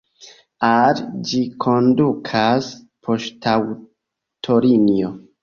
Al ĝi kondukas poŝtaŭtolinio.